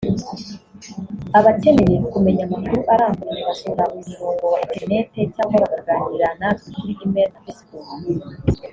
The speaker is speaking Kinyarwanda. Abakeneye kumenya amakuru arambuye basura uyu murongo wa interineti cyangwa bakaganira natwe kuri email na facebook mountkigali@gmail